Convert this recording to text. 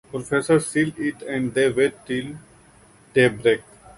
Professor seals it and they wait till daybreak.